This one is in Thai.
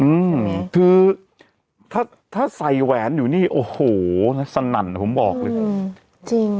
อืมคือถ้าถ้าใส่แหวนอยู่นี่โอ้โหสนั่นผมบอกเลยอืมจริง